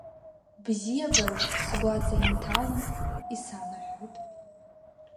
Бзиабарак сгәаҵа инҭалан, исанаҳәоит…